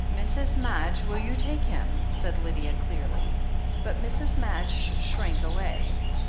"Mrs. Madge, will you take him?" said Lydia ' clearly. But Mrs. Madge shrank away.